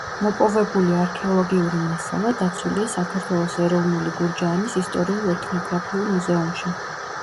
მოპოვებული არქეოლოგიური მასალა დაცულია საქართველოს ეროვნული გურჯაანის ისტორიულ-ეთნოგრაფიულ მუზეუმში.